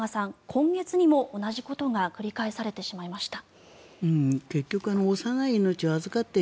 今月にも同じことが繰り返されてしまいました。